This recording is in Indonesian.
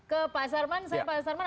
ke pak sarmant saya pak sarmant